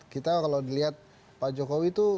kita kalau dilihat pak jokowi itu